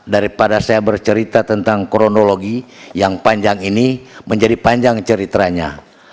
daripada saya bercerita tentang kronologi yang panjang ini menjadi panjang ceritanya